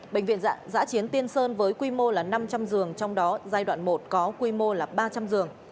bệnh viện giã chiến tiên sơn với quy mô là năm trăm linh giường trong đó giai đoạn một có quy mô là ba trăm linh giường